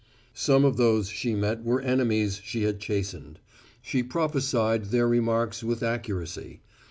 Some of those she met were enemies she had chastened; she prophesied their remarks with accuracy.